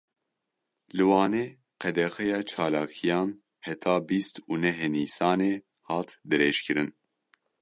Li Wanê qedexeya çalakiyan heta bîst û nehê Nîsanê hat dirêjkirin.